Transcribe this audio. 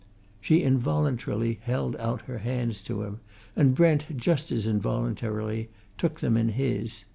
She involuntarily held out her hands to him, and Brent just as involuntarily took them in his.